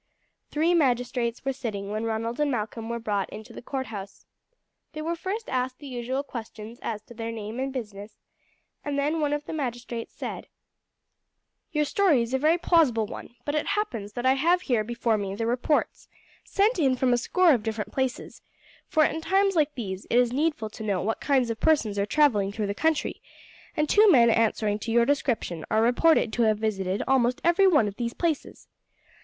Three magistrates were sitting when Ronald and Malcolm were brought into the courthouse. They were first asked the usual questions as to their names and business, and then one of the magistrates said: "Your story is a very plausible one; but it happens that I have here before me the reports, sent in from a score of different places, for in times like these it is needful to know what kinds of persons are travelling through the country, and two men answering to your description are reported to have visited almost every one of these places.